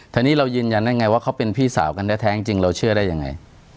ทีนี้เรายืนยันได้ไงว่าเขาเป็นพี่สาวกันแท้จริงเราเชื่อได้ยังไง